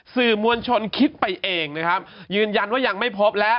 สื่อมวลชนคิดไปเองนะครับยืนยันว่ายังไม่พบแล้ว